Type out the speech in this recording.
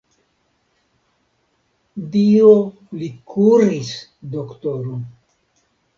Dio li kuris, doktoro.